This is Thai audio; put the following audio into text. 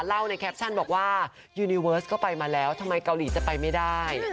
ในแคปชั่นบอกว่ายูนิเวิร์สก็ไปมาแล้วทำไมเกาหลีจะไปไม่ได้